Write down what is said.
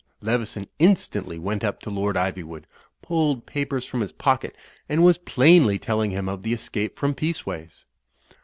Leveson instantly went up to Lord Ivywood, pulled papers from his pocket and was plainly telling him of the escape from Peaceways.